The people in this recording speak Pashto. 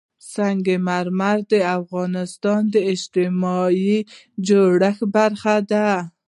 سنگ مرمر د افغانستان د اجتماعي جوړښت برخه ده.